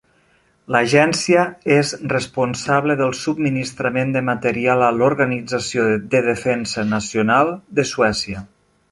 L'agència és responsable del subministrament de material a l'organització de defensa nacional de Suècia.